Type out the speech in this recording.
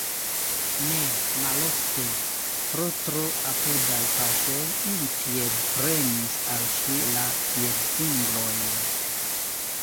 Ne malofte, pro tro apudaj paŝoj, ili piedpremis al ŝi la piedfingrojn.